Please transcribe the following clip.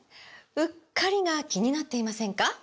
“うっかり”が気になっていませんか？